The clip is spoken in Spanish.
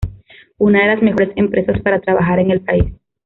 Una de las mejores empresas para trabajar en el país.